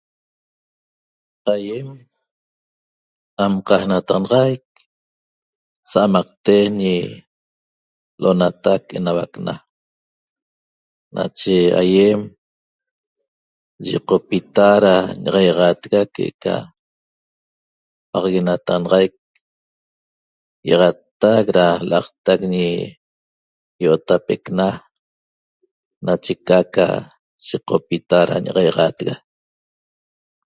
Aýem amqajnataxanaxaic sa'amqten ñi L'onatac Enauac Na nache aýem yiqopita da ñi'axaixaatega que'eca paxaguenataxanaxaic ýi'axattac da l'aqtac ñi I'otapecna nache ca aca yiqopita da ñi'axaixaatega